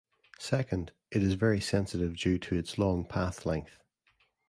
Second, it is very sensitive due to its long pathlength.